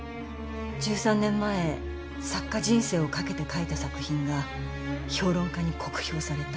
１３年前作家人生をかけて書いた作品が評論家に酷評された。